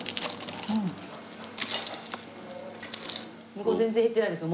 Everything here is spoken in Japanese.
向こう全然減ってないですよ。